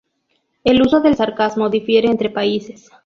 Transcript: El uso del sarcasmo difiere entre países.